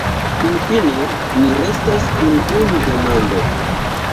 Finfine, mi restas kun unu demando.